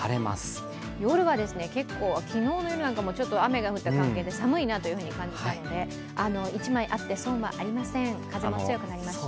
夜は結構、昨日の夜なんかも雨が降った関係で寒く感じましたので、１枚あって損はありません、風も強くなりますしね。